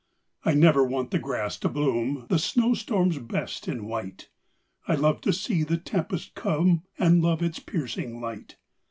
I never want the grass to bloom: The snowstorm's best in white. I love to see the tempest come And love its piercing light.